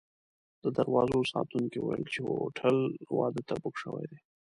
د دروازې ساتونکو ویل چې هوټل واده ته بوک شوی دی.